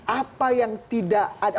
apa yang tidak adil